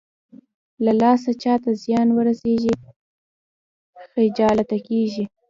له لاسه چاته زيان ورسېږي خجالته کېږي.